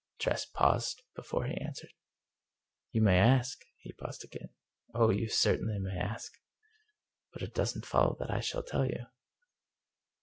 Tress paused before he answered. " You may ask." He paused again. " Oh, you certainly may ask. But it doesn't follow that I shall tell you."